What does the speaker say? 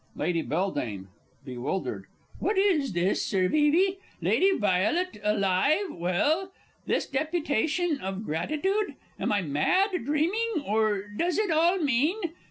Lady B. (bewildered). What is this! Sir Vevey, Lady Violet, alive, well? This deputation of gratitude? Am I mad, dreaming or what does it all mean?